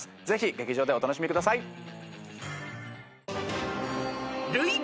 ぜひ劇場でお楽しみください。